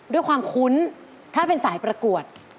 ด้วยความคุ้นถ้าเป็นสายประกวด